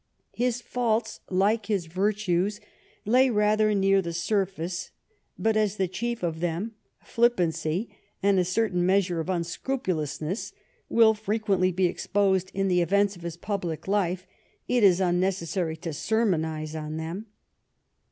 His faults, like his virtues, lay rather near the surface; hut as the chief of them, flippancy and a certain measure of unscrupulousness, will frequently be exposed in the events of his public life, it is unnecessary to sermonize on them.